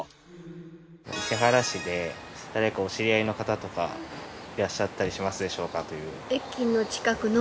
伊勢原市で誰かお知り合いの方とかいらっしゃったりしますでしょうか？という。